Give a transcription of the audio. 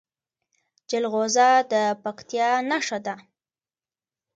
جلغوزه د پکتیا نښه ده.